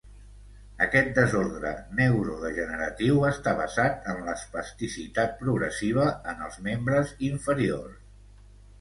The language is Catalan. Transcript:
Aquest desordre neurodegeneratiu està basat en l'espasticitat progressiva en els membres inferiors.